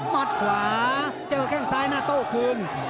มัดขวาเจอแข้งซ้ายหน้าโต้คืน